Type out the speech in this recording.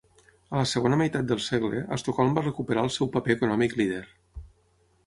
A la segona meitat del segle, Estocolm va recuperar el seu paper econòmic líder.